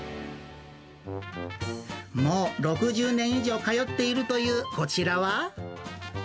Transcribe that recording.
もう６０年以上通っているというこちらは。